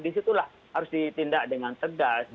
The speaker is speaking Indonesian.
di situlah harus ditindak dengan cegas